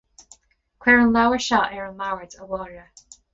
Cuir an leabhar seo ar an mbord, a Mháire